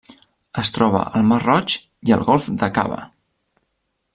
Es troba al Mar Roig i el Golf d'Aqaba.